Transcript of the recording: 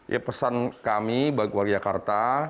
ya pesan kami bagi warga jakarta